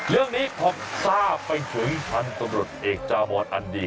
เรื่องนี้พอทราบไปถึงท่านตำรวจเอกจาบรอดอันดี